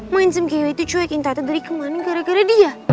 mah handsome gary itu cuekin tata dari kemana gara gara dia